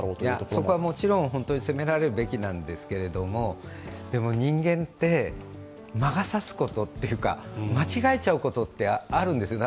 そこはもちろん本当に責められらるべきなんですが、人間って、魔が差すことというか間違えちゃうことってあるんですよ。